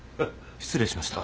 失礼しました。